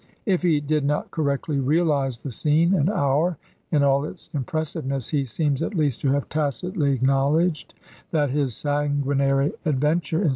If he did not correctly realize the scene and hour in all its impressiveness, he seems at least to have tacitly BLAIR'S MEXICAN PROJECT 103 acknowledged that his sanguinary adventure in chap.